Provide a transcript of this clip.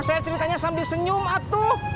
saya ceritanya sambil senyum atu